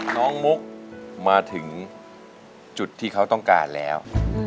มุกมาถึงจุดที่เขาต้องการแล้ว